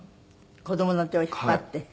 子供の手を引っ張って？